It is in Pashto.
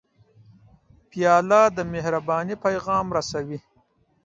پیاله د مهربانۍ پیغام رسوي.